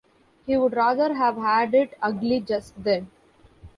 He would rather have had it ugly just then.